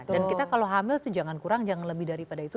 dan kita kalau hamil itu jangan kurang jangan lebih daripada itu